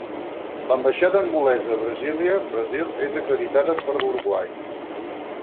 L'ambaixada angolesa a Brasília, Brasil és acreditada per Uruguai.